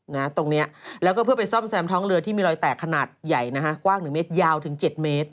นะฮะตรงนี้แล้วก็ไปซ่อมแซมท้องเรือที่มีรอยแตกขนาดใหญ่นะฮะกว้าง๑เมตรยาวถึง๗เมตร